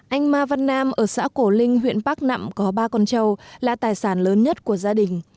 anh ma văn nam ở xã cổ linh huyện bắc nẵm có ba con trâu là tài sản lớn nhất của gia đình